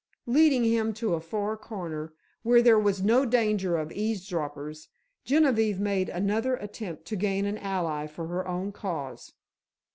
Leading him to a far corner, where there was no danger of eavesdroppers, Genevieve made another attempt to gain an ally for her own cause.